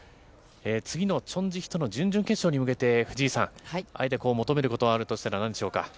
次のチョン・ジヒとの準々決勝に向けて、藤井さん、あえて求めることがあるとしたら、なんでしょうか。